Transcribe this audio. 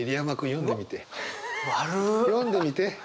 読んでみて。